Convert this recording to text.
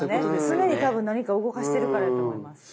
常に多分何か動かしてるからやと思います。